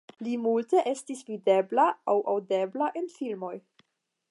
Li multe estis videbla aŭ aŭdebla en filmoj.